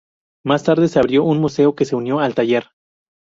Más tarde se abrió un museo que se unió al taller.